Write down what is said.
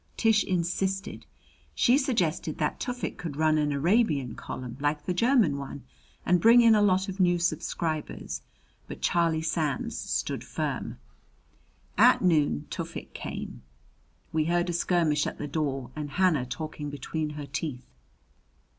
Tish insisted she suggested that Tufik could run an Arabian column, like the German one, and bring in a lot of new subscribers. But Charlie Sands stood firm. At noon Tufik came. We heard a skirmish at the door and Hannah talking between her teeth.